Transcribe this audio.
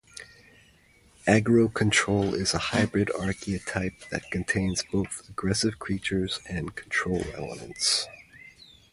Aggro-control is a hybrid archetype that contains both aggressive creatures and control elements.